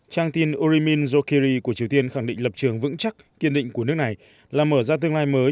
trang tin urimin jokiri của triều tiên khẳng định lập trường vững chắc kiên định của nước này là mở ra tương lai mới